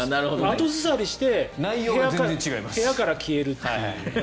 後ずさりして部屋から消えるという。